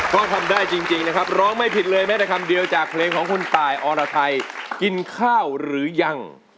ก็ทำได้จริงนะครับร้องไม่ผิดเลยแม้แต่คำเดียวจากเพลงของคุณตายอรไทยกินข้าวหรือยัง